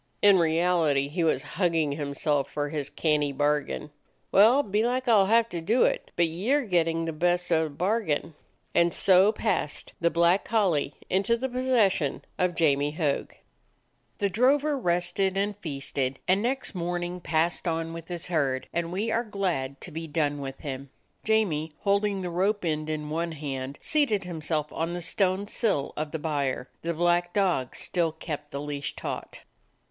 In reality he was hugging himself for his canny bargain. "Well, belike I 'll have to do it, but ye 're getting the best of the bargain." And so passed the black collie into the pos session of Jamie Hogg. The drover rested, feasted, and next morn ing passed on with his herd, and we are glad to be done with him. Jamie, holding the rope end in one hand, seated himself 'on the stone sill of the byre; the black dog still kept the leash taut.